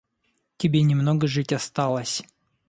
Тебе не много жить осталось.